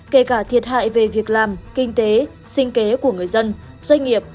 kể cả thiệt hại về việc làm kinh tế sinh kế của người dân doanh nghiệp